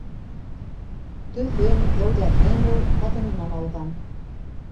Төҫөн, кәүҙәһен ул ҡатынынан алған.